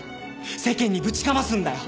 世間にぶちかますんだよ。